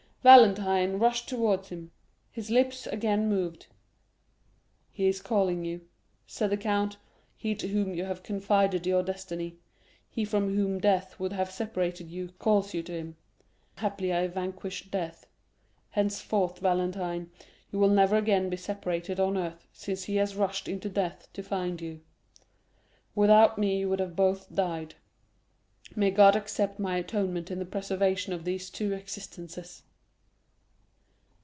Valentine rushed towards him; his lips again moved. "He is calling you," said the count; "he to whom you have confided your destiny—he from whom death would have separated you, calls you to him. Happily, I vanquished death. Henceforth, Valentine, you will never again be separated on earth, since he has rushed into death to find you. Without me, you would both have died. May God accept my atonement in the preservation of these two existences!"